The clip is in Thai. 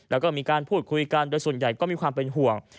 แล้วก็มีการพูดคุยกันโดยส่วนใหญ่ก็มีความเป็นห่วง